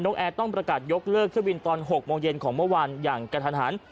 แอร์ต้องประกาศยกเลิกเที่ยวบินตอน๖โมงเย็นของเมื่อวานอย่างกระทันหัน